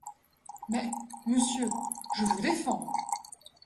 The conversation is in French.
Mais, monsieur, je vous défends !…